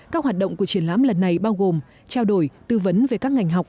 các hoạt động của triển lãm lần này bao gồm trao đổi tư vấn về các ngành học